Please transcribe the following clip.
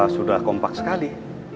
sudah kompak sekali